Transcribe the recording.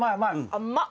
甘っ！